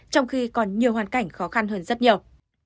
trong khi còn nhiều hoàn cảnh khó khăn hơn rất nhiều